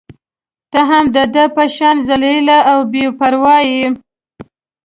ته هم د ده په شان ذلیله او بې پرواه يې.